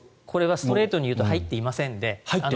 これはストレートに言うと入っていません。